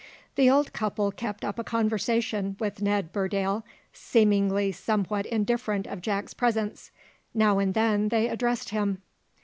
The old couple kept up a conversation with Ned Burdale, seemingly somewhat indifferent of Jack's presence. Now and then they addressed him.